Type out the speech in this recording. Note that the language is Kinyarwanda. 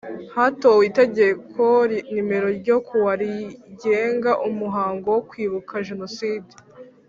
Hatowe itegeko nimero ryo kuwa rigenga umuhango wo Kwibuka Jenoside